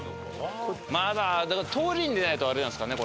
まだ通りに出ないとあれなんですかね？